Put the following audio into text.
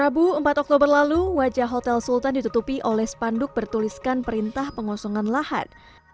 rabu empat oktober lalu wajah hotel sultan ditutupi oleh spanduk bertuliskan perintah pengosongan lahan